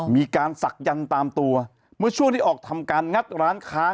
มีการศักยันต์ตามตัวเมื่อช่วงที่ออกทำการงัดร้านค้า